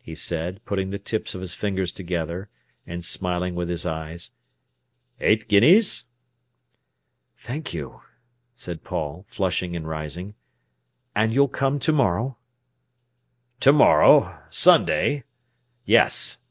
he said, putting the tips of his fingers together, and smiling with his eyes. "Eight guineas?" "Thank you!" said Paul, flushing and rising. "And you'll come to morrow?" "To morrow—Sunday? Yes!